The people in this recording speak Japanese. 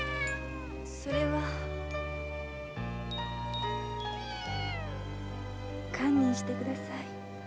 それは。堪忍して下さい。